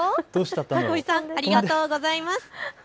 かこいさん、ありがとうございます。